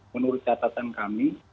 menurut catatan kami